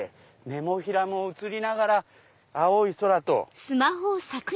ネモフィラも写りながら青い空と。